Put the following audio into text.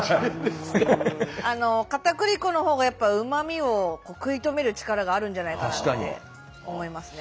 かたくり粉のほうがやっぱうまみを食い止める力があるんじゃないかなって思いますね。